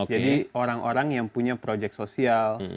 jadi orang orang yang punya project sosial